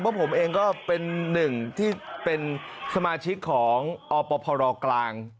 เพราะผมเองก็เป็นหนึ่งที่เป็นสมาชิกของอพรกลาง